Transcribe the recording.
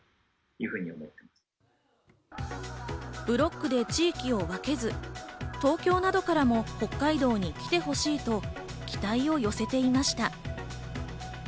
ブロックで地域を分けず、東京などからも北海道に来てほしいと期待を寄せていました。